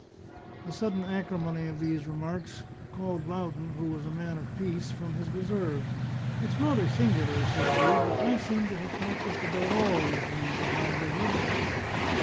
The sudden acrimony of these remarks called Loudon (who was a man of peace) from his reserve. "It's rather singular," said he, "but I seem to have practised about all these means of livelihood."